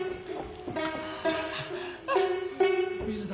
水だ。